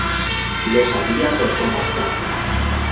Los había por todas partes.